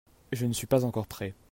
Je ne suis pas encore prêt.